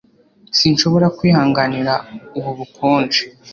Sinshobora kwihanganira ubu bukonje.